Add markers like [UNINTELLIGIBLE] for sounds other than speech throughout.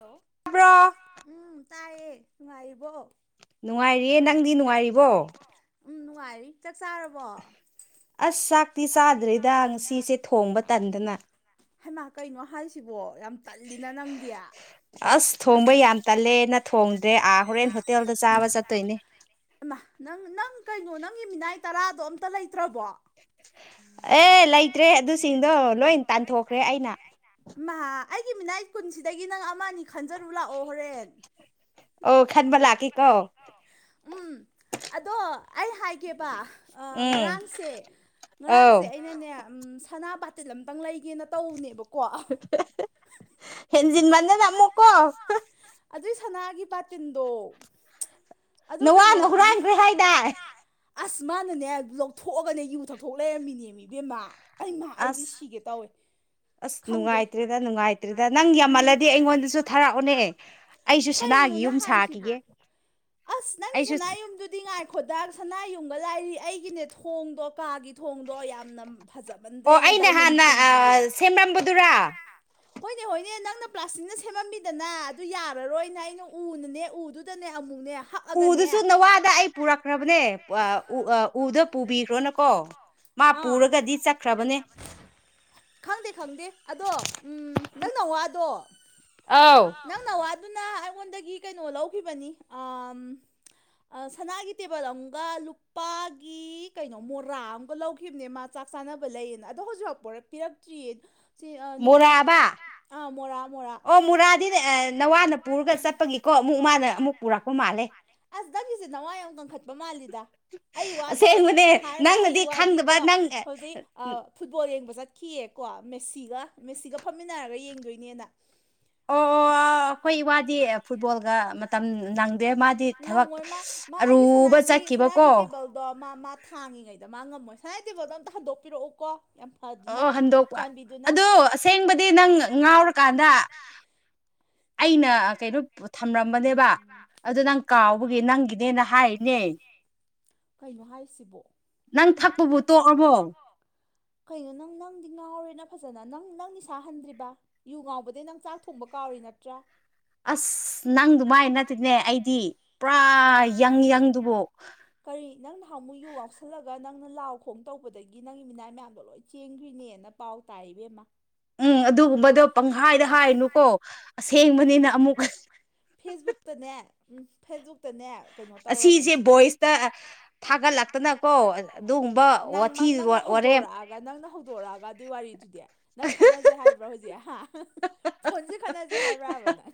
ꯂꯣ ꯇꯥꯕꯔꯣ ꯎꯝ ꯇꯥꯏꯌꯦ ꯅꯨꯉꯥꯏꯔꯤꯕꯣ ꯅꯨꯡꯉꯥꯏꯔꯤꯌꯦ ꯅꯪꯗꯤ ꯅꯨꯡꯉꯥꯏꯔꯤꯕꯣ ꯥꯄꯥꯔꯤ ꯆꯥꯛ ꯆꯥꯔꯕꯣ ꯑꯁ ꯆꯥꯛꯇꯤ ꯆꯥꯗ꯭ꯔꯤꯗ ꯉꯁꯤꯁꯦ ꯊꯣꯡꯕ ꯇꯟꯗꯅ ꯍꯩꯃꯥ ꯀꯩꯅꯣ ꯍꯥꯏꯁꯤꯕꯣ ꯌꯥꯝ ꯇꯜꯂꯤꯅ ꯅꯪꯗꯤ ꯑꯁ ꯊꯣꯡꯕ ꯌꯥꯝ ꯇꯜꯂꯦ ꯅ ꯊꯣꯡꯗ꯭ꯔꯦ ꯑꯥ ꯍꯣꯔꯦꯟ ꯍꯣꯇꯦꯜꯗ ꯆꯥꯕ ꯆꯠꯇꯣꯏꯅꯦ ꯃꯥ ꯅꯪ ꯅꯪ ꯀꯩꯅꯣ ꯅꯪꯒꯤ ꯃꯤꯅꯥꯏ ꯇꯔꯥꯗꯣ ꯑꯝꯇ ꯂꯩꯇ꯭ꯔꯕꯣ ꯑꯦ ꯂꯩꯇ꯭ꯔꯦ ꯑꯗꯨꯁꯤꯡꯗꯣ ꯂꯣꯏ ꯇꯥꯟꯊꯣꯛꯈ꯭ꯔꯦ ꯑꯩꯅ ꯃꯥ ꯑꯩꯒꯤ ꯃꯤꯅꯥꯏ ꯀꯨꯟꯁꯤꯗꯒꯤ ꯅꯪ ꯑꯃ ꯑꯅꯤ ꯈꯟꯖꯔꯨ ꯂꯥꯛꯑꯣ ꯍꯣꯔꯦꯟ ꯑꯣ ꯈꯟꯕ ꯂꯥꯀꯦꯀꯣ ꯎꯝ ꯑꯗꯣ ꯑꯩ ꯍꯥꯏꯒꯦꯕ ꯑꯥ ꯉꯔꯥꯡꯁꯦ ꯉꯔꯥꯡꯁꯦ ꯑꯩꯅꯅꯦ ꯎꯝ ꯁꯅꯥ ꯕꯥꯇꯤꯜ ꯑꯃꯇꯪ ꯂꯩꯒꯦꯅ ꯇꯧꯅꯦꯕ ꯍꯦꯟꯖꯤꯟ ꯃꯟꯗꯅ ꯑꯃꯨꯛ ꯀꯣ ꯍꯥ ꯁꯅꯥꯒꯤ ꯕꯥꯇꯤꯟꯗꯣ ꯅꯋꯥꯅ ꯍꯨꯔꯥꯟꯈ꯭ꯔꯦ ꯍꯥꯏꯗꯥꯏ ꯑꯁ ꯃꯥꯅꯅꯦ ꯂꯧꯊꯣꯛꯑꯒꯅꯦ ꯌꯨ ꯊꯛꯊꯣꯛ ꯂꯩꯔꯝꯃꯤꯅꯦꯃꯦ ꯏꯕꯦꯝꯃ ꯑꯁ ꯑꯁ ꯅꯨꯡꯉꯥꯏꯇꯔꯤꯗ ꯅꯨꯡꯉꯥꯏꯇ꯭ꯔꯤꯗ ꯅꯪ ꯌꯥꯝꯃꯜꯂꯗꯤ ꯑꯩꯉꯣꯟꯗꯁꯨ ꯊꯥꯔꯛꯑꯣꯅꯦ ꯑꯩꯁꯨ ꯁꯅꯥꯒꯤ ꯌꯨꯝ ꯁꯥꯈꯤꯒꯦ ꯑꯁ ꯅꯪꯒꯤ ꯁꯅꯥꯏ ꯌꯨꯝꯗꯨꯗꯤ ꯉꯥꯏꯈꯣꯗꯥ ꯁꯅꯥꯏ ꯌꯨꯝꯒ ꯂꯥꯏꯔꯤ ꯑꯩꯒꯤꯅꯦ ꯊꯣꯡꯗꯣ ꯀꯥꯒꯤ ꯊꯣꯡꯗꯣ ꯌꯥꯝꯅ ꯐꯖꯃꯟꯗ꯭ꯔꯦꯅ ꯗꯥꯏꯃꯟ ꯊꯤꯜꯂꯤꯌꯦ꯫ ꯑꯩꯅ ꯍꯥꯟꯅ ꯑꯥ ꯁꯦꯝꯃꯝꯕꯟꯗꯨꯔꯥ ꯍꯣꯏꯅꯦ ꯍꯣꯏꯅꯦ ꯅꯪꯅ ꯄ꯭ꯂꯥꯁꯇꯤꯛꯅ ꯁꯦꯝꯃꯝꯃꯤꯗꯅ ꯑꯗꯨ ꯌꯥꯔꯔꯣꯏꯅꯦ ꯑꯩꯅ ꯎꯅꯅꯦ ꯎꯗꯨꯗꯅꯦ ꯑꯃꯨꯛꯅꯦ ꯎꯗꯨꯁꯨ ꯅꯋꯥꯗ ꯑꯩ ꯄꯨꯔꯛꯈ꯭ꯔꯕꯅꯦ ꯄꯨ ꯑꯥ ꯎ ꯑꯥ ꯎꯗꯨ ꯄꯨꯕꯤꯈ꯭ꯔꯣꯅꯀꯣ ꯃꯥ ꯄꯨꯔꯒꯗꯤ ꯆꯠꯈ꯭ꯔꯕꯅꯦ ꯈꯪꯗꯦ ꯈꯪꯗꯦ ꯑꯗꯣ ꯎꯝ ꯅꯪꯅꯋꯥꯗꯣ ꯅꯪꯅꯋꯥ ꯗꯨꯅ ꯑꯩꯉꯣꯟꯗꯒꯤ ꯀꯩꯅꯣ ꯂꯧꯈꯤꯕꯅꯤ ꯑꯥꯝ ꯑꯥ ꯁꯅꯥꯒꯤ ꯇꯦꯕꯜ ꯑꯝꯒ ꯂꯨꯄꯥꯒꯤ ꯀꯩꯅꯣ ꯃꯣꯔꯥ ꯑꯝꯒ ꯂꯧꯈꯤꯝꯅꯦ ꯃꯥ ꯆꯥ ꯆꯥꯛ ꯆꯥꯅꯕ ꯂꯩꯌꯦꯅ ꯑꯗꯣ ꯍꯧꯖꯤꯛꯐꯥꯎ ꯄꯣꯔ ꯄꯤꯔꯛꯇ꯭ꯔꯤꯌꯦ ꯁꯤ ꯑꯥ ꯅꯨꯃꯤꯠ ꯃꯣꯔꯥꯑꯥꯕ ꯎꯝ ꯃꯣꯔꯥ ꯑꯣ ꯃꯨꯔꯥꯗꯤꯅꯦ ꯑꯥ ꯅꯋꯥꯅ ꯄꯨꯔꯒ ꯆꯠꯄꯒꯤꯀꯣ ꯑꯃꯨꯛ ꯃꯥꯅ ꯑꯃꯨꯛ ꯄꯨꯔꯛꯄ ꯃꯥꯜꯂꯦ ꯑꯁ ꯗꯪꯒꯤꯁꯦ ꯅꯋꯥꯏ ꯌꯥꯝ ꯀꯟꯈꯠꯄ ꯃꯥꯜꯂꯤꯗ ꯑꯩ ꯏꯋꯥꯗꯣ ꯁꯨꯝ ꯁꯨꯝ ꯍꯥꯏꯔꯅꯨ ꯑꯩꯒꯤ ꯏꯋꯥꯗꯤꯀꯣ ꯍꯨꯖꯤꯛ ꯑꯥ ꯐꯨꯠꯕꯣꯜ ꯌꯦꯡꯕ ꯆꯠ ꯈꯤꯌꯦꯀꯣ ꯃꯦꯁꯤꯒ ꯃꯦꯁꯤꯒ ꯐꯝꯃꯤꯟꯅꯔꯒ ꯌꯦꯡꯗꯣꯏꯅꯦꯅ ꯑꯣ ꯑꯣ ꯑꯥ ꯑꯈꯣꯏ ꯏꯋꯥꯗꯤ ꯐꯨꯠꯕꯣꯜꯒ ꯃ ꯇꯝ ꯅꯪꯗꯦ ꯃꯥꯗꯤ ꯊꯕꯛ ꯁ ꯑꯔꯨꯕ ꯆꯠꯈꯤꯕꯀꯣ ꯉꯥꯡꯉꯤꯉꯩꯗ ꯃꯥ ꯉꯝꯃꯣꯏ ꯁꯥꯏꯗꯤꯕꯣꯗꯣ ꯑꯝꯇ ꯍꯟꯗꯣꯛꯄꯤꯔꯛꯎꯀꯣ ꯑꯣ ꯍꯟꯗꯣꯛꯄ ꯑꯗꯨ ꯑꯁꯦꯡꯕꯗꯤ ꯅꯪ ꯉꯥ ꯉꯥꯎꯔ ꯀꯥꯟꯗ [INAUDIBLE] ꯑꯩꯅ ꯑ ꯀꯩꯔꯨꯛ ꯊꯝꯔꯝꯕꯅꯦꯕ ꯑꯗꯨ ꯅꯪ ꯀꯥꯎꯕꯒꯤ ꯅꯪꯒꯤꯅꯦꯅ ꯍꯥꯏꯔꯤꯅꯦ ꯀꯩꯟ ꯅꯪ ꯊꯛꯄꯕꯨ ꯇꯣꯛꯑꯕꯣ ꯀꯩꯅꯣ ꯅꯪ ꯅꯪꯗꯤ ꯉꯥꯎꯔꯦꯅ ꯐꯖꯅ ꯅꯪ ꯅꯪ ꯅꯤ ꯁꯥꯍꯟꯗ꯭ꯔꯤꯕ ꯌꯨ ꯉꯥꯎꯕꯗꯩꯩ ꯅꯪ ꯆꯥꯛ ꯊꯣꯡꯕ ꯀꯥꯎꯔꯤ ꯑꯩ ꯅꯠꯇ꯭ꯔꯥ ꯑꯁ ꯅꯪꯗꯨ ꯃꯥꯏ ꯅꯠꯇꯦꯅꯦ ꯑꯩꯗꯤ ꯄꯨꯔꯥ ꯌꯪ ꯌꯗꯨꯕꯨ ꯃꯨ ꯌꯨ ꯌꯥꯎꯁꯜꯂꯒ ꯅꯪꯅ ꯂꯥꯎ ꯈꯣꯡ ꯇꯧꯕꯗꯒꯤ ꯅꯪꯒꯤ ꯃꯤꯅꯥꯏ ꯃꯌꯥꯝꯗꯣ ꯂꯣꯏ ꯆꯦꯟꯈ꯭ꯔꯤꯅꯦꯅ ꯄꯥꯎ ꯇꯥꯏ ꯂꯩꯕꯤꯝꯃ ꯎꯝ ꯑꯗꯨꯒꯨꯝꯕꯗꯣ ꯄꯪꯈꯥꯏꯗ ꯍꯥꯏꯅꯨꯀꯣ ꯑꯁꯦꯡꯕꯅꯤꯅ ꯑꯃꯨꯛ ꯐꯦꯁꯕꯨꯛꯇꯅꯦ ꯎꯝ ꯐꯦꯁꯕꯨꯛꯇꯅꯦ ꯑꯁꯤꯁꯦ ꯚꯣꯏꯁꯇ ꯊꯥꯒꯠꯂꯛꯇꯅꯀꯣ ꯑꯗꯨꯒꯨꯝꯕ ꯋꯥꯊꯤ ꯍꯧꯗꯣꯔꯛꯑꯒ ꯅꯪꯅ ꯍꯧꯗꯣꯔꯛꯑꯒ ꯑꯗꯨꯏ ꯋꯥꯔꯤꯗꯨꯗꯤ ꯅꯪ ꯈꯠꯅꯁꯦ ꯍꯥꯏꯕ꯭ꯔꯣ ꯍꯧꯖꯤꯛ ꯍꯥ ꯐꯣꯟꯁꯦ ꯈꯠꯅꯁꯦ ꯍꯥꯏꯕ꯭ꯔꯥꯕꯅ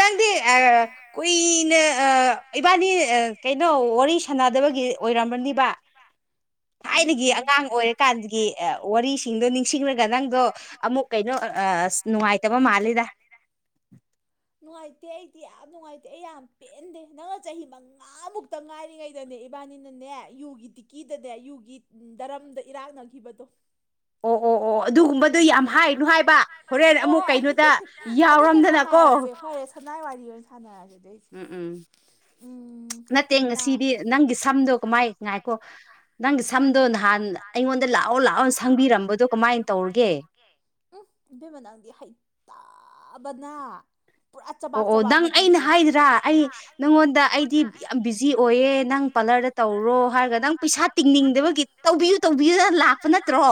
ꯆꯪꯗꯦ ꯑ ꯀꯣꯏꯅ ꯑ ꯏꯕꯥꯅꯤ ꯀꯩꯅꯣ ꯋꯥꯔꯤ ꯁꯥꯟꯅꯗꯕꯒꯤ ꯑꯣꯏꯔꯝꯕꯅꯤꯕ ꯊꯥꯏꯅꯒꯤ ꯑꯉꯥꯡ ꯑꯣꯏꯔꯀꯥꯟꯗꯒꯤ ꯋꯥꯔꯤꯁꯤꯡꯗꯣ ꯅꯤꯡꯁꯤꯡꯂꯒ ꯅꯪꯗꯣ ꯑꯃꯨꯛ ꯀꯩꯅꯣ ꯑ ꯅꯨꯡꯉꯥꯏꯇꯕ ꯃꯥꯜꯂꯤꯗ ꯅꯨꯡꯉꯥꯏꯇꯦ ꯑꯩꯗꯤ ꯌꯥꯝ ꯅꯨꯡꯉꯥꯏꯇꯦ ꯑꯩ ꯌꯥꯝ ꯄꯦꯟꯗꯦ ꯅꯪ ꯆꯍꯤ ꯃꯉꯥꯃꯨꯛꯇ ꯉꯥꯏꯔꯤꯉꯩꯗꯅꯦ ꯏꯕꯥꯅꯤꯅꯅꯦ ꯌꯨꯒꯤ ꯇꯤꯛꯀꯤꯗꯅꯦ ꯌꯨꯒꯤ ꯗꯔꯝ ꯗ ꯏꯔꯥꯡꯅꯈꯤꯕꯗꯣ ꯑꯣ ꯑꯣ ꯑꯣ ꯑꯣ ꯑꯗꯨꯒꯨꯝꯕꯗꯨꯣ ꯌꯥꯝ ꯍꯥꯏꯅꯨ ꯍꯥꯏꯕ ꯍꯣꯔꯦꯟ ꯑꯃꯨꯛ ꯀꯩꯅꯣꯗ ꯌꯥꯎꯔꯝꯗꯅꯀꯣ ꯁꯅꯥꯏ ꯋꯥꯔꯤ ꯑꯣꯏꯅ ꯁꯥꯟꯅꯔꯁꯤꯗꯩꯁꯦ ꯅꯠꯇꯦ ꯉꯁꯤꯗꯤ ꯅꯪꯒꯤ ꯁꯝꯗꯣ ꯀꯃꯥꯏ ꯉꯥꯏꯈꯣ ꯅꯪꯒꯤ ꯁꯝꯗꯣ ꯅꯍꯥꯟ ꯑꯩꯉꯣꯟꯗ ꯗ ꯂꯥꯛꯑꯣ ꯂꯥꯛꯑꯣ ꯁꯪꯕꯤꯔꯝꯕꯗꯣ ꯀꯃꯥꯏꯅ ꯇꯧꯔꯒꯦ ꯎꯝꯗ ꯃꯅꯥꯗ ꯍꯥꯏ ꯑꯕꯅ ꯑꯣ ꯑꯣ ꯅꯪ ꯑꯩꯅ ꯍꯥꯏꯗ꯭ꯔꯥ ꯑꯩ ꯅꯪꯉꯣꯟꯗ ꯑꯩꯗꯤ ꯌꯥꯝ ꯕꯤꯖꯤ ꯑꯣꯏꯌꯦ ꯅꯪ ꯄꯥꯔꯂꯔꯗ ꯇꯧꯔꯣ ꯍꯥꯏꯔꯒ ꯅꯪ ꯄꯩꯁꯥ ꯇꯤꯡꯅꯤꯡꯗꯕꯒꯤ ꯇꯧꯕꯤ ꯇꯧꯕꯤ ꯂꯥꯛꯄ ꯅꯠꯇ꯭ꯔꯣ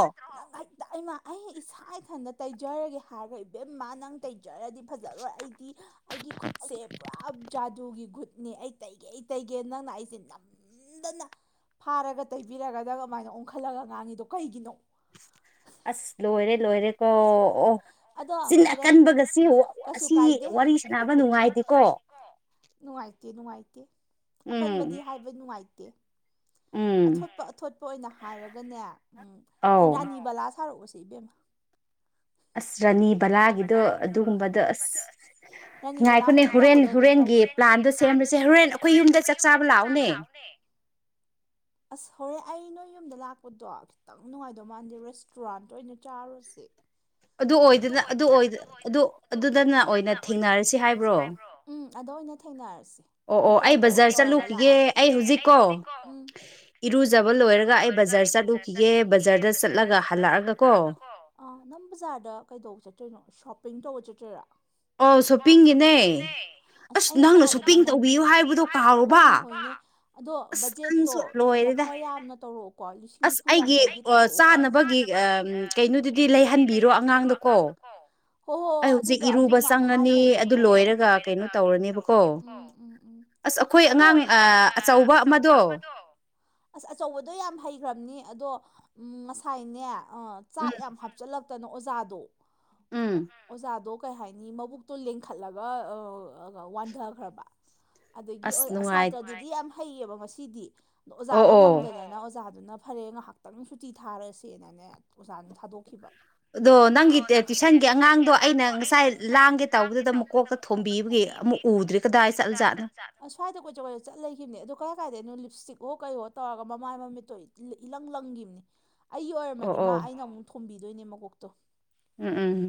ꯃ ꯑꯩ ꯏꯁꯥ ꯏꯊꯟꯇ ꯇꯩꯖꯔꯒꯦ ꯍꯥꯏꯔꯒ ꯏꯕꯦꯝ ꯃꯥ ꯅꯪ ꯐꯖꯔꯗꯤ ꯐꯖꯔꯣꯏ ꯑꯩꯗꯤ ꯑꯩꯒꯤ ꯈꯨꯠꯁꯦ ꯄꯨꯔꯥ ꯖꯥꯗꯨꯒꯤ ꯈꯨꯠ ꯑꯩ ꯇꯩꯒꯦ ꯑꯩ ꯇꯩꯒꯦ ꯅꯪꯅ ꯑꯩꯁꯦ ꯅꯝ ꯍꯟꯗꯅ ꯐꯥꯔꯒ ꯇꯩꯕꯤꯔꯒꯗ ꯑꯗꯨꯃꯥꯏꯅ ꯑꯣꯟꯈꯠꯂꯒ ꯉꯥꯡꯉꯤꯗꯣ ꯀꯩꯒꯤꯅꯣ ꯑꯁ ꯂꯣꯏꯔꯦ ꯂꯣꯏꯔꯦ ꯀꯣ ꯑꯣ ꯀꯟꯕꯒꯁꯤ ꯑꯁꯤ ꯋꯥꯔꯤ ꯁꯥꯟꯅꯕ ꯅꯨꯡꯉꯥꯏꯗꯦꯀꯣ ꯅꯨꯡꯥꯏ ꯑꯀꯟꯕꯗꯤ ꯍꯥꯏꯕ ꯅꯨꯡꯉꯥꯏꯇꯦ ꯑꯊꯣꯠꯄ ꯑꯊꯣꯠꯄ ꯑꯣꯏꯅ ꯍꯥꯏꯔꯒꯅꯦ ꯎꯝ ꯔꯥꯅꯤ ꯕꯂꯥ ꯁꯥꯔꯛꯎꯁ ꯕꯦꯝ ꯑꯁ ꯔꯥꯅꯤ ꯕꯂꯥꯒꯤꯗꯣ ꯑꯗꯨꯒꯨꯝꯕꯗꯣ ꯑꯁ ꯔꯥꯅꯤꯕꯂꯥꯣꯏꯅ ꯇꯧꯕꯗꯣ ꯍꯣꯔꯦꯟ ꯄ꯭ꯂꯥꯟꯗꯣ ꯁꯦꯝꯁꯦ ꯍꯣꯔꯦꯟ ꯑꯩꯈꯣꯏ ꯌꯨꯝꯗ ꯆꯥꯛ ꯆꯥꯕ ꯂꯥꯛꯑꯣꯅꯦ ꯑ ꯍꯔ ꯑꯔꯤ ꯅꯣꯏ ꯌꯨꯝꯗ ꯂꯥꯛꯄꯗꯣ ꯈꯤꯇꯪ ꯅꯨꯡꯉꯥꯏꯗꯧ ꯃꯥꯥꯟꯗꯤꯦ ꯔꯦꯁꯇꯨꯔꯥꯟ ꯑꯣꯏꯅ ꯆꯥꯔꯨꯁꯦ ꯑꯗꯨ ꯑꯣꯏꯗꯅ ꯑꯗꯨ ꯑꯗꯨꯗꯅ ꯑꯣꯏꯅ ꯊꯦꯡꯅꯔꯁꯤ ꯍꯥꯏꯕ꯭ꯔꯣ ꯑꯗꯣ ꯑꯣꯏꯅ ꯊꯦꯡꯅꯔꯁꯦ ꯑꯩ ꯗ꯭ꯔꯥꯏꯚꯔꯒ ꯇꯧꯔꯒ ꯂꯥꯛꯑ ꯎ ꯏꯔꯨꯖꯕ ꯂꯣꯏꯔꯒ ꯑꯩ ꯕꯖꯥꯔ ꯆꯠꯂꯨꯈꯤꯒꯦ ꯕꯖꯥꯔꯗ ꯆꯠꯂꯒ ꯍꯜꯂꯛꯑꯒ ꯀꯣ ꯅꯝ ꯕꯖꯥꯔꯗ ꯀꯩꯗꯧꯕ ꯆꯠꯇꯣꯏꯅꯣ ꯁꯣꯞꯄꯤꯡ ꯇꯧꯕ ꯆꯠꯇ꯭ꯔꯣꯏꯔꯥ ꯑꯣ ꯁꯣꯞꯄꯤꯡꯒꯤꯅꯦ ꯑꯁ ꯅꯪꯅ ꯁꯣꯞꯄꯤꯡ ꯇꯧꯕꯤꯌꯨ ꯍꯥꯏꯕꯗꯣ ꯀꯥꯎꯕ ꯑꯗꯣ ꯕꯖꯦꯠꯇꯣ ꯌꯥꯈꯋꯥ ꯌꯥꯝꯅ ꯇꯧꯔꯛꯑꯣ ꯀꯣ ꯂꯤꯁꯤꯡ ꯅꯤꯐꯨ ꯌꯥꯡꯈꯩꯗꯤ ꯇꯧꯔꯛꯎꯀꯣꯅꯕꯒꯤ ꯅꯣꯗꯤ ꯂꯩꯍꯟꯕꯤꯔꯣ ꯑꯉꯥꯡꯗꯀꯣ ꯍꯣ ꯍꯣꯏ ꯍ ꯑꯗꯨꯗꯣ ꯑꯗꯨ ꯍꯥꯏꯈꯦ ꯍ ꯍ [INAUDIBLE] ꯀꯩꯅꯣ ꯇꯧꯔꯅꯦꯕꯀꯣ ꯎ ꯑꯁ ꯑꯩꯈꯣꯏ ꯑꯉꯥꯡ ꯑꯆꯧꯕ ꯑꯃꯗꯣ ꯑꯁ ꯑꯆꯧꯕꯗꯣ ꯌꯥꯝ ꯍꯥꯏ ꯍꯩꯈ꯭ꯔꯕꯅꯤ ꯑꯗꯣ ꯉꯁꯥꯏꯅꯦ ꯆꯥꯛ ꯌꯥꯝ ꯍꯥꯞꯆꯤꯜꯂꯛꯇꯅ ꯑꯣꯖꯥꯗꯣ ꯑꯣ ꯑꯣꯖꯥꯗꯣ ꯀꯩ ꯍꯥꯏꯅꯤ ꯃꯕꯨꯛꯇꯣ ꯂꯦꯡꯈꯠꯂꯒ ꯑ ꯋꯥꯟꯊꯈ꯭ꯔꯕ ꯑꯗꯒꯤ ꯁꯥꯇ꯭ꯔꯗꯨꯗꯤ ꯌꯥꯝ ꯍꯩꯌꯦꯕ ꯉꯁꯤꯗꯤ ꯑ ꯑꯣꯖꯥꯗꯣ ꯉꯝꯗꯅꯤꯅ ꯑꯣꯖꯥ ꯑꯗꯨꯅ ꯐꯔꯦ ꯉꯥꯏꯍꯥꯛꯇꯪ ꯁꯨꯇꯤ ꯊꯥꯔꯁꯦꯅꯅꯦ ꯑꯣꯖꯥꯅ ꯊꯥꯗꯣꯛꯈꯤꯕ ꯑꯗꯣ ꯅꯪꯒꯤ ꯇ꯭ꯋꯏꯁꯟꯒꯤ ꯑꯉꯥꯡꯗꯣ ꯑꯩꯅ ꯉꯁꯥꯏ ꯂꯥꯡꯒꯦ ꯇꯧꯕꯗꯨꯗ ꯑꯃꯨꯛ ꯀꯣꯛꯇ ꯊꯣꯝꯕꯤꯕꯒꯤ ꯆꯠ ꯂꯩꯈꯤꯕꯅꯦ ꯑꯣ ꯀꯥꯏ ꯀ ꯏꯁꯇꯤꯛꯍꯣ ꯀꯩꯍꯣ ꯇꯧꯔꯒ ꯃꯃꯥꯏꯒꯤ ꯃꯃꯤꯠꯇꯣ ꯏꯂꯪ ꯂꯪꯒꯤꯈꯤꯕꯅꯤ ꯑꯩꯒꯤ ꯑꯣꯏꯔꯝꯃꯗꯤ ꯃꯥ ꯑꯩꯅ ꯑꯃꯨꯛ ꯊꯨꯝꯕꯤꯗꯣꯏꯅꯦ ꯃꯀꯣꯛꯇꯣ ꯎꯝ ꯎꯝ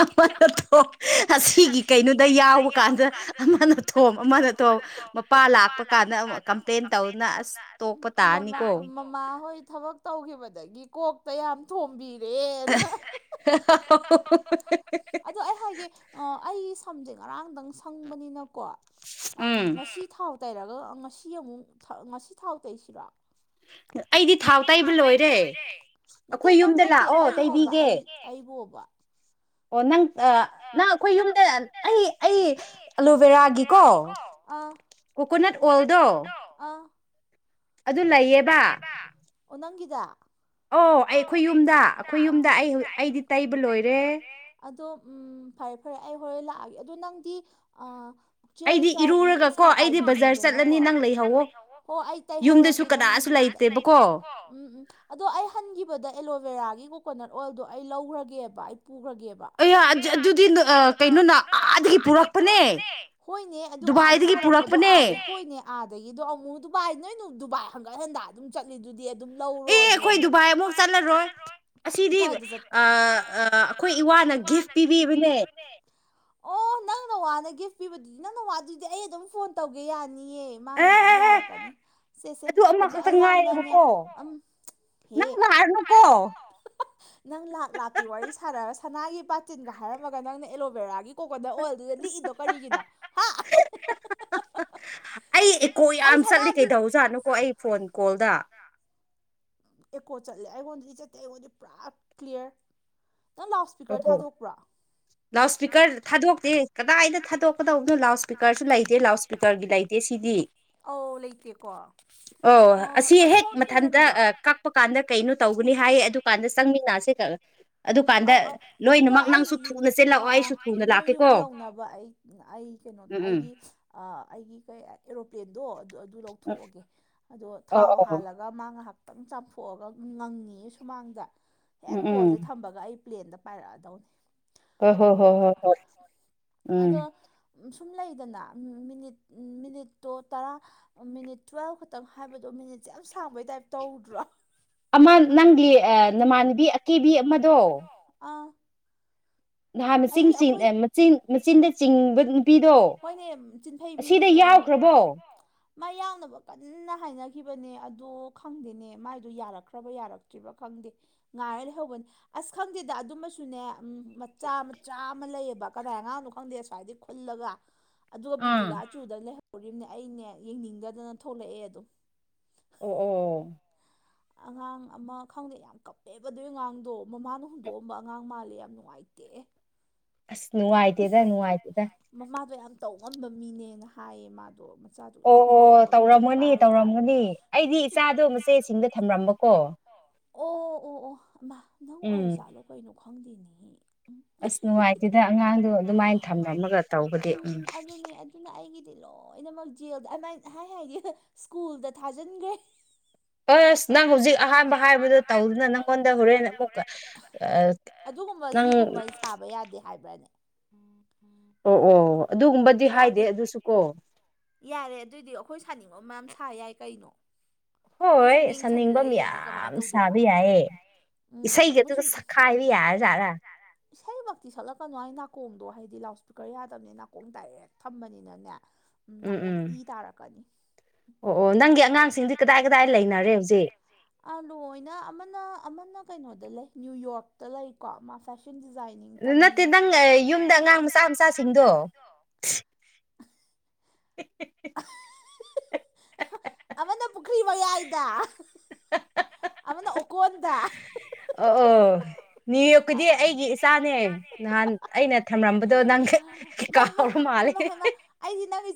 ꯑꯃꯅ ꯊꯣꯛ ꯑꯁꯤꯒꯤ ꯀꯩꯅꯣꯗ ꯌꯥꯎꯕ ꯀꯥꯟꯗ ꯑꯃꯅ ꯊꯣꯛ ꯀꯣꯝ ꯑꯃꯅ ꯇꯣ ꯃꯄꯥ ꯂꯥꯛꯄ ꯀꯥꯟꯗ ꯑꯃꯨꯛ ꯀꯝꯄ꯭ꯂꯦꯟ ꯇꯧꯗꯨꯅ ꯑꯁ ꯇꯣꯛꯄ ꯇꯥꯔꯅꯤꯀꯣ ꯃꯃꯥ ꯍꯣꯏ ꯊꯕꯛ ꯇꯧꯈꯤꯕꯗꯒꯤ ꯀꯣꯛꯇ ꯌꯥꯝ ꯊꯣꯝꯕꯤ [UNINTELLIGIBLE] ꯑꯩ ꯍꯥꯏꯒꯦ ꯑꯩ ꯁꯝꯖꯩ ꯉꯔꯥꯡꯗꯪ ꯁꯪꯕꯅꯤꯅꯀꯣ ꯉꯁꯤ ꯊꯥꯎ ꯇꯩꯔꯒ ꯉꯁꯤ ꯑꯃꯨꯛ ꯉꯁꯤ ꯊꯥꯎ ꯇꯩꯁꯤꯔꯣ ꯑꯩꯗꯤ ꯊꯥꯎ ꯇꯥꯏꯕ ꯂꯣꯏꯔꯦ ꯅꯠꯇꯦ ꯅꯪ ꯅꯠꯇꯦ ꯑꯩ ꯍꯣꯕ ꯑꯩ ꯑꯩꯕꯨꯕ ꯑꯣ ꯅꯪ ꯅꯪ ꯑꯩꯈꯣꯏ ꯌꯨꯝꯗ ꯑꯩ ꯑꯩ ꯑꯦꯂꯣꯕꯦꯔꯥꯒꯤꯀꯣ ꯑꯥ ꯀꯣꯀꯣꯅꯠ ꯑꯣꯏꯜꯗꯣ ꯑꯗꯨ ꯂꯩꯌꯦꯕ ꯑꯣ ꯅꯪꯒꯤꯗ ꯑꯣ ꯑꯩ ꯑꯩꯈꯣꯏ ꯌꯨꯝꯗ ꯑꯩꯈꯣꯏ ꯌꯨꯝꯗ ꯑꯩ ꯑꯩꯗꯤ ꯇꯩꯕ ꯂꯣꯏꯔꯦ ꯎꯝ ꯐꯔꯦ ꯐꯔꯦ ꯑꯩ ꯍꯣꯔꯦꯟ ꯂꯥꯛꯑꯒꯦ ꯑꯣ ꯅꯪꯗꯤ ꯑ ꯑꯩꯗꯤ ꯏꯔꯨꯔꯒ ꯀꯣ ꯑꯩꯗꯤ ꯕꯖꯥꯔ ꯆꯠꯂꯅꯤ ꯅꯪ ꯂꯩꯍꯧꯋꯣ ꯍꯣ ꯑꯩ ꯇꯇꯩ ꯍꯧꯔꯒꯦ ꯌꯕ ꯎꯝ ꯎꯝ ꯑꯗꯣ ꯑꯩ ꯍꯟꯈꯤꯕꯗ ꯑꯦꯂꯣꯚꯦꯔꯥꯒꯤ ꯀꯣꯀꯣꯅꯠ ꯑꯣꯏꯜꯗꯣ ꯑꯩ ꯂꯧꯈ꯭ꯔꯒꯦꯕ ꯑꯩ ꯈꯒꯦ ꯑꯗꯨ ꯀꯩꯅꯣ ꯑꯥ ꯄꯨꯔꯛꯄꯅꯦ ꯍꯣꯏꯅꯦ ꯑꯥꯗ ꯄꯨꯔꯛꯄꯗꯣ ꯑꯥꯗꯦ ꯍꯣꯏꯅꯦ ꯑꯗꯒꯤꯗꯣ ꯑꯃꯨꯛ ꯗꯨꯕꯥꯏ ꯅꯣꯏꯅꯨ ꯗꯨꯕꯥꯏ ꯍꯟꯒꯠ ꯍꯟꯗ ꯑꯗꯨꯝ ꯆꯠꯂꯤꯗꯨꯗꯤ ꯑꯗꯨꯝ ꯂꯧꯔꯣ ꯑꯁꯤꯗꯤ ꯑꯩꯈꯣꯏ ꯏꯋꯥꯅ ꯒꯤꯐ ꯄꯤꯕꯤꯕꯅꯦ ꯑꯣ ꯅꯪꯅ ꯋꯥꯅ ꯒꯤꯐ ꯄꯤꯕꯗꯨꯗꯤ ꯅꯪꯅ ꯋꯥ ꯑꯗꯨꯗꯤ ꯑꯩ ꯑꯗꯨꯝ ꯐꯣꯟ ꯇꯧꯒꯦ ꯌꯥꯔ ꯃꯥꯅ ꯑꯗꯨꯝ ꯌꯥꯔꯛꯄꯅꯤ ꯁꯤꯁꯦ ꯕꯨ ꯀꯣ ꯅꯪ ꯔꯅꯨ ꯀꯣ ꯅꯪ ꯂꯥꯛ ꯂꯥꯛꯀꯤ ꯋꯥꯔꯤ ꯁꯥꯟꯅꯔꯒ ꯁꯅꯥꯒꯤ ꯕꯥꯇꯤꯟꯒ ꯍꯥꯏꯔꯝꯃꯒ ꯅꯪꯅ ꯑꯦꯂꯣꯕꯦꯔꯥꯒꯤ ꯀꯣꯀꯣꯅꯠ ꯑꯣꯏꯜꯗꯨꯗ ꯂꯤꯛꯏꯗꯣ ꯀꯔꯤꯒꯤꯅꯣ ꯍꯥ ꯑꯩ ꯑꯦꯀꯣ ꯌꯥꯝ ꯆꯠꯂꯤ ꯀꯩꯗꯧ ꯖꯥꯠꯅꯨꯀꯣ ꯑꯩ ꯐꯣꯟ ꯀꯣꯜꯗ ꯑꯦꯀꯣ ꯆꯠꯂꯦ ꯑꯩꯉꯣꯟꯗꯗꯤ ꯆꯠꯇꯦ ꯑꯩꯉꯣꯟꯗꯗꯤ ꯄꯨꯔꯥ ꯀ꯭ꯂꯤꯌꯥꯔ ꯅꯇꯪ ꯂꯥꯎꯠ ꯏꯁꯄꯤꯀꯔ ꯊꯥꯗꯣꯛꯄ꯭ꯔꯥ ꯂꯥꯎꯠ ꯏꯁꯄꯤꯀꯔ ꯊꯥꯗꯣꯛꯇꯦ ꯀꯗꯥꯏꯗ ꯊꯥꯗꯣꯛꯀꯗꯧꯕꯅꯣ ꯂꯥꯎꯠ ꯏꯁꯄꯤꯀꯔꯁꯨ ꯂꯩꯇꯦ ꯂꯥꯎꯠ ꯏꯁꯄꯤꯀꯔꯒꯤ ꯂꯩꯇꯦ ꯁꯤꯗꯤ ꯑꯧ ꯂꯩꯇꯦꯀꯣ ꯅꯪ ꯊꯑ ꯊꯤꯡꯖꯤꯟꯕ꯭ꯔꯣ ꯆꯄ ꯀꯥꯟꯗ ꯀꯩꯅꯣ ꯇꯧꯒꯅꯤ ꯍꯥꯏꯌꯦ ꯑꯗꯨ ꯀꯥꯟꯗ ꯆꯪꯃꯤꯟꯅꯁꯦ ꯑꯗꯨꯀꯥꯟꯗ ꯑꯗꯨꯗ ꯑꯩ ꯑꯥ ꯑꯥ ꯅꯣꯏ ꯌꯨꯝ ꯌꯧꯅꯕ ꯑꯩ ꯑꯩ ꯀꯩꯅꯣ ꯑꯩꯒꯤ ꯑꯩꯒꯤ ꯀꯩ ꯑꯦꯔꯣꯄ꯭ꯂꯦꯟꯗꯣ ꯑꯗꯨ ꯑꯗꯨ ꯂꯧꯊꯣꯛꯑꯒꯦ ꯑꯗꯣ ꯊꯥꯎ ꯍꯥꯜꯂꯒ ꯃꯥ ꯉꯥꯏꯍꯥꯛ ꯈꯤꯇꯪ ꯆꯥꯝꯊꯣꯛꯑꯒ ꯉꯪꯉꯤ ꯁꯨꯃꯥꯡꯗ ꯍꯦꯛ ꯀꯣꯜꯁꯦ ꯊꯝꯕꯒ ꯑꯩ ꯄ꯭ꯂꯦꯟꯗ ꯄꯥꯏꯔꯛꯑꯗꯧꯅꯦ ꯍ ꯍꯣ ꯍꯣ ꯍꯣ ꯍꯣ ꯎꯝ ꯁꯨꯝ ꯂꯩꯗꯅ ꯃꯤꯅꯤꯠ ꯃꯤꯅꯤꯠꯇꯣ ꯇꯔꯥ ꯃꯤꯅꯤꯠ ꯇꯨꯋꯦꯜꯐ ꯈꯛꯇꯪ ꯍꯥꯏꯕꯗꯣ ꯃꯤꯅꯤꯠ ꯁꯦ ꯌꯥꯝ ꯁꯥꯡꯕꯩ ꯇꯥꯏꯞ ꯇꯧꯗ꯭ꯔꯣ ꯑꯃ ꯅꯪꯒꯤ ꯅꯃꯥꯟꯅꯕꯤ ꯑꯀꯦꯕꯤ ꯑꯃꯗꯣ ꯑꯥ ꯅꯍꯥ ꯃꯆ ꯃꯆꯤꯟ ꯃꯆꯤꯟꯗ ꯆꯤꯡꯕ ꯅꯨꯄꯤꯗꯣ ꯑꯁꯤꯗ ꯌꯥꯎ ꯀ꯭ꯔꯕꯣ ꯃ ꯌꯥꯎꯅꯕ ꯀꯟꯅ ꯍꯥꯏꯅ ꯈꯤꯕꯅꯦ ꯑꯗꯨꯗꯣ ꯈꯪꯗꯦꯅꯦ ꯃꯥꯏꯗꯣ ꯌꯥꯔꯛꯈ꯭ꯔꯕ ꯌꯥꯔꯛꯇ꯭ꯔꯤꯕ ꯈꯪꯗꯦ ꯉꯥꯏꯔ ꯂꯩꯍꯧꯕꯅꯤ ꯑꯁ ꯈꯪꯗꯦꯗ ꯑꯗꯨꯝꯃꯁꯨꯅꯦ ꯃꯆꯥ ꯆꯥ ꯑꯃ ꯂꯩꯌꯦꯕ ꯀꯗꯥꯏ ꯑꯉꯥꯡꯅꯣ ꯈꯪꯗꯦ ꯑꯁꯋꯥꯏꯗꯤ ꯈꯨꯜꯂꯒ ꯑꯗꯨꯒ ꯕꯤꯕꯨꯂꯥꯆꯨꯗ ꯇꯧꯔꯤꯝꯅꯦ ꯑꯩꯅꯦ ꯌꯦꯡꯅꯤꯡꯗꯗꯅ ꯊꯣꯛꯂꯛꯑꯦ ꯑꯗꯨꯝ ꯑꯣ ꯑꯣ ꯑꯉꯥꯡ ꯑꯃ ꯈꯪꯗꯦ ꯌꯥꯝ ꯀꯞꯄꯦꯕ ꯑꯗꯨꯏ ꯑꯉꯥꯡꯗꯣ ꯃꯃꯥꯅ ꯍꯨꯟꯗꯣꯛꯑꯝꯕ ꯑꯉꯥꯡ ꯃꯥꯜꯂꯦ ꯌꯥꯝ ꯅꯨꯡꯉꯥꯏ ꯇꯦ ꯑꯁ ꯅꯨꯡꯉꯥꯏꯇꯦꯗ ꯅꯨꯡꯉꯥꯏꯇꯦꯗ ꯇꯧꯉꯝꯕ ꯃꯤꯅꯦꯅ ꯍꯥꯏꯌꯦ ꯃꯥꯗꯣ ꯑꯣ ꯑꯣ ꯇꯧꯔꯝꯃꯅꯤ ꯇꯧꯔꯝꯒꯅꯤ ꯑꯩꯗꯤ ꯏꯆꯥꯗꯣ ꯃꯆꯦꯁꯤꯡꯗ ꯊꯝꯔꯝꯕꯀꯣ ꯑꯣ ꯑꯣ ꯑꯣ ꯑꯃ ꯅꯪ ꯑꯣꯏꯔꯖꯥꯠꯂꯣ ꯀꯩꯅꯣ ꯈꯪꯗꯦꯅꯦꯍꯦ ꯑꯁ ꯅꯨꯡꯉꯥꯏꯇꯦꯗ ꯑꯉꯥꯡꯗꯣ ꯑꯗꯨꯃꯥꯏꯅ ꯊꯝꯔꯝꯝꯃꯒ ꯇꯧꯕꯗꯤ ꯎꯝ ꯂꯣꯏꯅꯃꯛ ꯖꯦꯜꯗ ꯑꯗꯨꯃꯥꯏꯅ ꯍꯥꯏ ꯍꯥꯏꯗꯤ ꯁ꯭ꯀꯨꯜꯗ ꯊꯥꯖꯤꯟꯈ꯭ꯔꯦ ꯑꯁ ꯅꯪ ꯍꯧꯖꯤꯛ ꯑꯍꯥꯟꯕ ꯍꯥꯏꯕꯗꯣ ꯇꯧꯗꯨꯅ ꯅꯪꯉꯣꯟꯗ ꯍꯣꯔꯦꯟ ꯑꯃꯨꯛꯀ ꯑꯗꯨꯒꯨꯝꯕ ꯁꯤꯒꯨꯝꯕ ꯁꯥꯕ ꯌꯥꯗꯦ ꯍꯥꯏꯕ꯭ꯔꯅꯦ ꯑꯣ ꯑꯣ ꯑꯗꯨꯒꯨꯝꯕꯗꯤ ꯍꯥꯏꯗꯦ ꯑꯗꯨꯁꯨ ꯀꯣ ꯌꯥꯔꯦ ꯑꯗꯨꯑꯣꯏꯗꯤ ꯑꯩꯈꯣꯏ ꯁꯥꯅꯤꯡꯕ ꯃꯌꯥꯝ ꯁꯥ ꯌꯥꯏ ꯀꯩꯅꯣ ꯍꯣꯏ ꯁꯥꯅꯤꯡꯕ ꯌꯥꯝ ꯁꯥꯕ ꯌꯥꯏꯌꯦ ꯏꯁꯩꯒꯤꯗꯨꯗ ꯁꯛꯈꯥꯏꯕ ꯌꯥꯔꯖꯥꯔꯥ ꯀꯣꯡꯗꯣ ꯍꯥꯏꯗꯤ ꯂꯥꯎꯠ ꯏꯁꯄꯤꯀꯔ ꯌꯥꯗꯝꯅꯤ ꯅꯥꯀꯣꯡ ꯗꯥꯏꯔꯦꯛ ꯊꯝꯕꯅꯤꯅꯅꯦ ꯅꯥꯀꯣꯡꯗ ꯏ ꯇꯥꯔꯛꯀꯅꯤ ꯑꯣ ꯑꯣ ꯅꯪꯒꯤ ꯑꯉꯥꯡꯁꯤꯡꯗꯤ ꯀꯗꯥꯏ ꯀꯗꯥꯏ ꯂꯩꯅꯔꯦ ꯍꯧꯖꯤꯛ ꯑꯃꯅ ꯀꯩꯅꯣꯗ ꯂꯩ ꯅ꯭ꯌꯨ ꯌꯣꯔꯇ ꯂꯩꯀꯣ ꯃꯥ ꯐꯦꯁꯟ ꯅꯠꯇꯦ ꯅꯪ ꯌꯨꯝꯗ ꯑꯉꯥꯡ ꯃꯆꯥ ꯃꯆꯥꯁꯤꯡꯗꯣ [UNINTELLIGIBLE] ꯑꯃꯅ ꯄꯨꯈ꯭ꯔꯤ ꯃꯌꯥꯏꯗ ꯑꯃꯅ ꯑꯣꯀꯟꯗ ꯅ꯭ꯌꯨ ꯌꯣꯛꯀꯤꯗꯤ ꯑꯩꯒꯤ ꯏꯆꯥꯅꯦ ꯅꯍꯥꯟ ꯑꯩꯅ ꯔꯝꯕꯗꯣ ꯅꯪ ꯀꯥꯎꯔ ꯃꯥꯂꯦ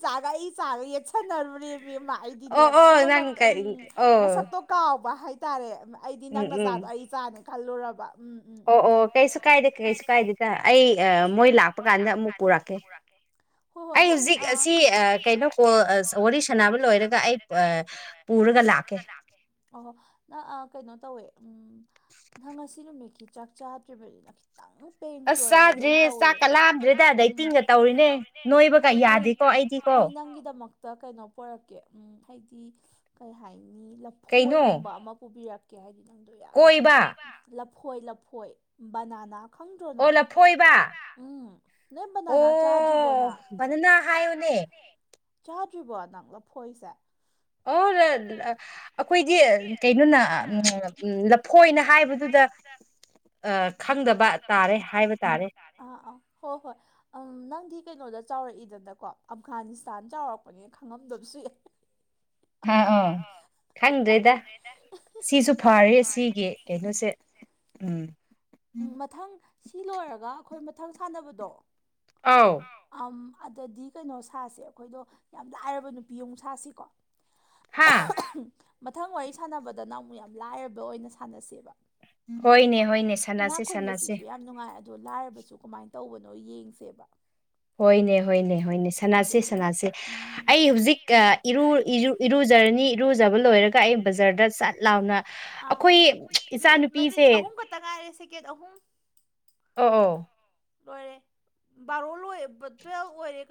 ꯆꯥꯒꯥ ꯑꯩꯆꯥꯒ ꯌꯦꯠꯁꯟꯅꯔꯨꯔꯤꯝ ꯑꯃ ꯑꯩꯗꯤꯅꯦ ꯑꯃꯃꯛꯇ ꯎꯝ ꯃꯁꯛꯇꯣ ꯀꯥꯎꯕ ꯍꯥꯏꯇꯥꯔꯦ ꯑꯩꯗꯤ ꯅꯪꯅ ꯆꯥꯗꯣ ꯑꯩ ꯆꯥꯅꯦ ꯈꯜꯂꯨꯔꯕ ꯑꯣ ꯑꯣ ꯀꯩꯁꯨ ꯀꯥꯏꯗꯦ ꯀꯩꯁꯨ ꯀꯥꯏꯗꯦꯗ ꯑꯩ ꯃꯣꯏ ꯂꯥꯛ ꯃꯣꯏ ꯂꯥꯛꯄ ꯀꯥꯟꯗ ꯑꯃꯨꯛ ꯄꯨꯔꯛꯀꯦ ꯍꯣꯏ ꯍꯣ ꯅꯪ ꯑ ꯍꯧꯖꯤꯛ ꯑꯁꯤ ꯀꯩꯅꯧꯕ ꯋꯥꯔꯤ ꯁꯥꯟꯅꯕ ꯂꯣꯏꯔꯒ ꯑꯩ ꯄꯨꯔꯒ ꯂꯥꯛꯀꯦ ꯑꯣ ꯅ ꯑ ꯀꯩꯅꯣ ꯇꯧꯋꯦ ꯎꯝ ꯅꯊꯪ ꯉꯁꯤ ꯅꯨꯃꯤꯠꯀꯤ ꯆꯥꯛ ꯆꯥꯗ꯭ꯔꯤꯕꯅꯤꯅ ꯇꯪ ꯄꯦꯟ ꯆꯣꯏꯔꯕꯗꯧ ꯇꯧꯋꯦ ꯂꯥꯝꯗ꯭ꯔꯦꯗ ꯗꯩꯇꯤꯡꯒ ꯇꯧꯔꯤꯅꯦ ꯅꯣꯏꯕꯒ ꯌꯥꯗꯦꯀꯣ ꯑꯩꯗꯤꯀꯣ ꯇ ꯀꯩꯅꯣ ꯄꯨꯔꯛꯀꯦ ꯎꯝ ꯍꯥꯏꯗꯤ ꯀꯩ ꯍꯥꯏꯅꯤ ꯂꯐꯣꯏꯒꯨꯝꯕ ꯑꯃ ꯄꯨꯕꯤꯔꯛ ꯀꯦ ꯍꯥꯏꯗꯤ ꯅꯪꯗꯣ ꯌꯥꯝ ꯂꯐꯣꯏ ꯂꯐꯣꯏ ꯕꯅꯥꯅꯥ ꯑꯣ ꯂꯐꯣꯏꯕ ꯑꯣ ꯟꯅ ꯍꯥꯏꯅꯦ ꯆꯥꯗ꯭ꯔꯤꯕꯣ ꯅꯪ ꯂꯞꯐꯣꯏꯁꯦ ꯑꯣꯔ ꯑꯩꯈꯣꯏꯗꯤ ꯀꯩꯅꯣꯅ ꯂꯐꯣꯏꯅ ꯍꯥꯏꯕꯗꯨꯗ ꯈꯪꯗꯕ ꯇꯥꯔꯦ ꯍꯥꯏꯕ ꯇꯥꯔꯦ ꯈꯤꯇꯪꯗꯤ ꯀꯩꯅꯣꯗ ꯆꯥꯎꯔꯛꯏꯗꯅꯀꯣ ꯑꯐꯒꯥꯅꯤꯁꯇꯥꯟ ꯆꯥꯎꯔꯛꯄꯅꯦ ꯈꯪꯉꯝꯗꯕꯁꯨ ꯌꯥꯏ ꯑꯥ ꯑ ꯈꯪꯗ꯭ꯔꯔꯤꯗ ꯁꯤꯁꯨ ꯐꯔꯦ ꯁꯤꯒꯤ ꯀꯩꯅꯣꯁꯦ ꯎꯝ ꯎꯝ ꯃꯊꯪ ꯁꯤ ꯂꯣꯏꯔꯒ ꯑꯩꯈꯣꯏ ꯃꯊꯪ ꯁꯥꯟꯅꯕꯗꯣ ꯑꯥꯎ ꯑꯗꯗꯤ ꯀꯩꯅꯣ ꯁꯥꯁꯦ ꯑꯩꯈꯣꯏꯗꯣ ꯌꯥꯝ ꯂꯥꯏꯔꯕ ꯅꯨꯄꯤ ꯑꯃꯨꯛ ꯁꯥꯁꯤꯀꯣ ꯍꯥꯥ ꯃꯊꯪ ꯋꯥꯔꯤ ꯁꯥꯟꯅꯕꯗꯅ ꯑꯃꯨꯛ ꯌꯥꯝ ꯂꯥꯏꯔꯕ ꯑꯣꯏꯅ ꯁꯥꯟꯅꯁꯦꯕ ꯍꯣꯏꯅꯦ ꯍꯣꯏꯅꯦ ꯁ ꯏꯅꯥꯛ ꯈꯨꯟꯕꯁꯤꯁꯨ ꯌꯥꯝ ꯅꯨꯡꯉꯥꯏ ꯑꯗꯣ ꯂꯥꯏꯔꯕꯁꯨ ꯀꯃꯥꯏꯅ ꯇꯧꯕꯅꯣ ꯌꯦꯡꯁꯦꯕ ꯍꯣꯏꯅꯦ ꯍꯣꯏꯅꯦ ꯍꯣꯏꯅꯦ ꯁꯅꯁꯦ ꯁꯅꯁꯦ ꯑꯩ ꯍꯧꯖꯤꯛ ꯏꯔ ꯏ ꯖꯔꯅꯤ ꯏꯔꯨꯖꯕ ꯂꯣꯏꯔꯒ ꯑꯩ ꯕꯖꯔꯗ ꯆꯠ ꯂꯥꯎꯅ ꯑ ꯑꯍꯨꯝ ꯈꯛꯇ ꯉꯥꯏꯔꯦꯁꯦꯀꯦ ꯑꯍꯨꯝ ꯑ ꯑ ꯂꯣꯏꯔꯦ ꯕꯥꯔꯣ ꯂ ꯇꯨꯋꯦꯜ ꯑꯣꯏꯔꯦ